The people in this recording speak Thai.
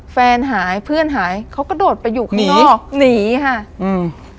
แฟนหายเพื่อนหายเขากระโดดไปอยู่ข้างนอกหนีค่ะอืม